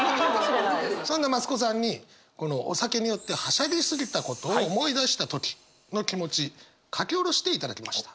そんな増子さんにこのお酒に酔ってはしゃぎすぎたことを思い出した時の気持ち書き下ろしていただきました。